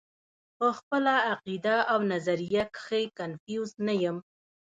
پۀ خپله عقيده او نظريه کښې کنفيوز نۀ يم -